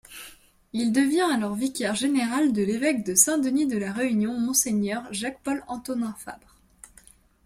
Il devient alors vicaire général de l'évêque de Saint-Denis-de-la-Réunion Mgr Jacques-Paul-Antonin Fabre.